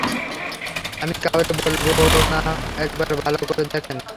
আমি কাউরে বলবো না, একবার ভালো করে দেখেন।